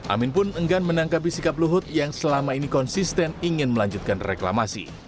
amin pun enggan menangkapi sikap luhut yang selama ini konsisten ingin melanjutkan reklamasi